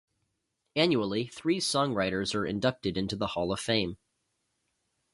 Annually, three songwriters are inducted into the Hall of Fame.